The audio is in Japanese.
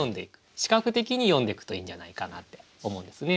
視覚的に詠んでいくといいんじゃないかなって思うんですね。